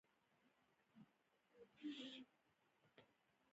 شیام پخپله پاچا و او بوشنګان د پاچاهۍ په زړه کې وو